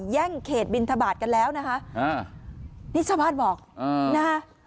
แย่งเขตบินทบาทกันแล้วนะฮะนิชมภาคบอกนะฮะ